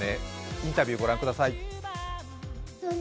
インタビューをご覧ください。